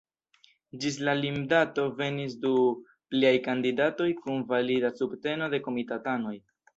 Ĝis la limdato venis du pliaj kandidatoj, kun valida subteno de komitatanoj.